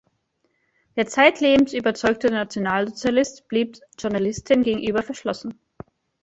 Der zeitlebens überzeugte Nationalsozialist blieb Journalisten gegenüber verschlossen.